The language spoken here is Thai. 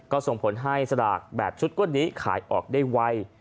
ก็ส่งผลให้สลากแบบชุดก้นนี้ขายออกได้ไว